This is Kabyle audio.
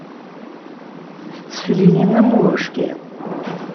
Tetteflili am ubeckiḍ.